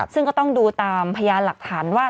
ซึ่งก็ต้องดูตามพยานหลักฐานว่า